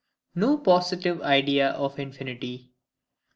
No positive Idea of Infinity.